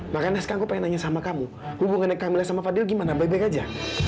makanya naskah aku pengen nanya sama kamu hubungannya kamila sama fadil gimana baik baik aja